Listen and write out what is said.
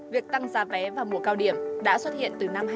việc tăng giá vé vào mùa cao điểm đã xuất hiện từ năm hai nghìn một mươi